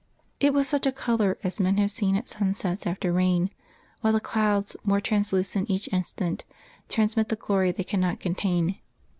It was such a colour as men have seen at sunsets after rain, while the clouds, more translucent each instant, transmit the glory they cannot contain.